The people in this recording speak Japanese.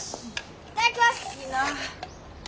いただきます！